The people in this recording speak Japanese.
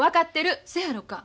そやろか。